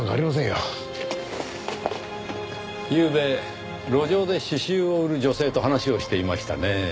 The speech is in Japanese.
ゆうべ路上で詩集を売る女性と話をしていましたねぇ。